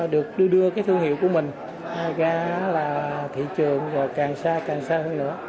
được đưa đưa cái thương hiệu của mình ra là thị trường và càng xa càng xa hơn nữa